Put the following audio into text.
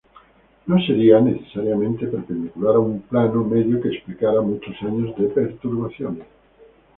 No sería necesariamente perpendicular a un plano medio que explicara muchos años de perturbaciones.